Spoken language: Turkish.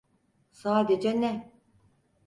Sadece ne?